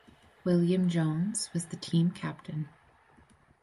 William Jones was the team captain.